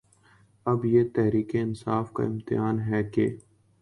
اب یہ تحریک انصاف کا امتحان ہے کہ